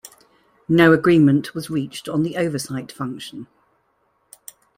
No agreement was reached on the oversight function.